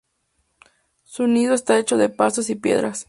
Su nido está hecho de pastos y piedras.